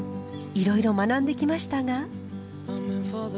いろいろ学んできましたが。